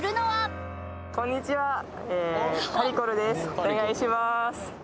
お願いします